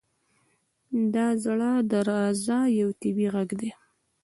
• د زړه درزا یو طبیعي ږغ دی.